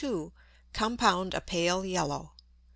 compound a pale yellow.